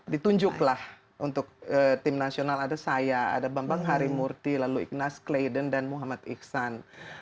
ditunjuklah untuk tim nasional ada saya ada bambang harimurti lalu ignas clayden dan muhammad iksan